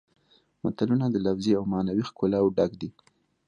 متلونه د لفظي او معنوي ښکلاوو ډک دي